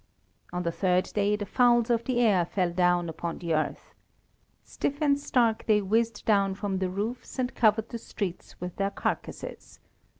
On the third day the fowls of the air fell down upon the earth. Stiff and stark they whizzed down from the roofs and covered the streets with their carcases.